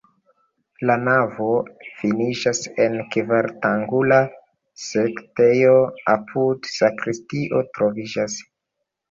La navo finiĝas en kvarangula sanktejo, apude sakristio troviĝas.